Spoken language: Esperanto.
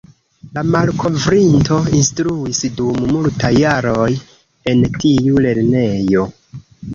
La malkovrinto instruis dum multaj jaroj en tiu lernejo.